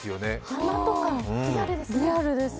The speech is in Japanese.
鼻とかリアルですね。